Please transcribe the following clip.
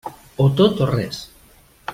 O tot o res.